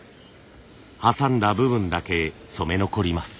挟んだ部分だけ染め残ります。